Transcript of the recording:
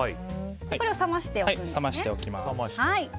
これを冷ましておくんですね。